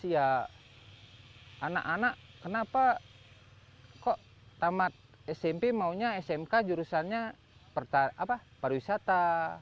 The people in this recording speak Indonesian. ya anak anak kenapa kok tamat smp maunya smk jurusannya pariwisata